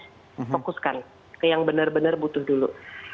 fokuskan ke yang benar benar butuh dulu